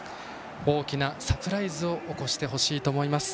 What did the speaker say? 大きなサプライズを起こしてほしいと思います。